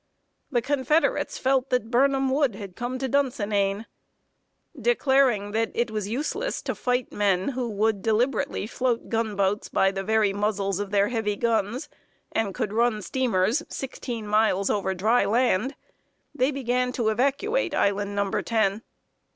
The Confederates felt that Birnam wood had come to Dunsinane. Declaring that it was useless to fight men who would deliberately float gunboats by the very muzzles of their heavy guns, and could run steamers sixteen miles over dry land, they began to evacuate Island Number Ten.